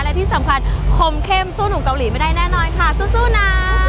และที่สำคัญคมเข้มสู้หนุ่มเกาหลีไม่ได้แน่นอนค่ะสู้นะ